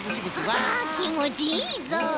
あきもちいいぞう。